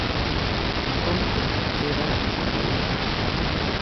Cómpre crebar a gaiola.